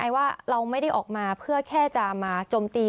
ว่าเราไม่ได้ออกมาเพื่อแค่จะมาจมตี